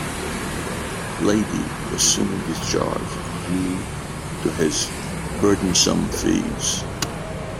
Landy was soon discharged due to his burdensome fees.